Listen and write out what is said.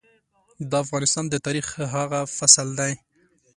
د افغانستان د تاريخ هغه فصل دی.